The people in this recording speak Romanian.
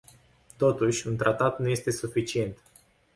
Totuși, un tratat nu este suficient.